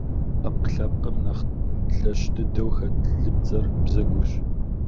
Ӏэпкълъэпкъым нэхъ лъэщ дыдэу хэт лыпцӏэр - бзэгурщ.